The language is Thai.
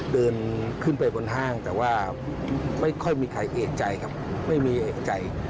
เดินขึ้นไปบนห้างแต่ว่าไม่ค่อยมีใครเอกใจครับไม่มีเอกใจ